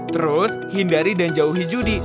terus hindari dan jauhi judi